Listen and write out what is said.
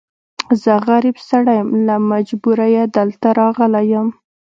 زه غريب سړی يم، له مجبوری دلته راغلی يم.